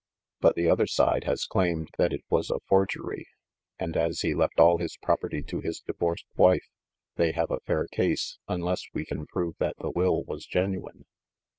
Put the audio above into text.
But the other side has claimed that it was a forgery, and, as he left all his property to his divorced wife, they have a fair case, unless we can prove that the will was genuine.